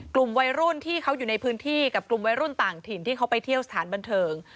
กลุ่มวัยรุ่นที่เขาอยู่ในพื้นที่กับกลุ่มวัยรุ่นต่างถิ่นที่เขาไปเที่ยวสถานบันเทิง